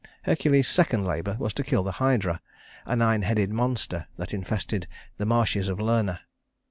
Hercules's second labor was to kill the Hydra, a nine headed monster that infested the marshes of Lerna.